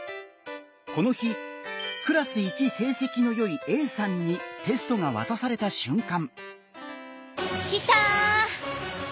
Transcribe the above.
この日クラス一成績のよいＡさんにテストが渡された瞬間。